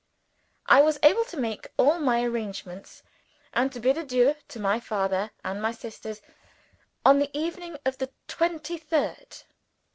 I was able to make all my arrangements, and to bid adieu to my father and my sisters on the evening of the twenty third.